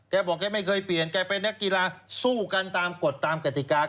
แกบอกแกไม่เคยเปลี่ยนแกเป็นนักกีฬาสู้กันตามกฎตามกติกา